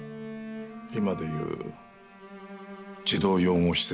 今で言う児童養護施設。